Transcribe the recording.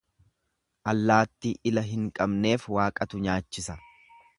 Allaattii ila hin qabneef Waaqatu nyaachisa.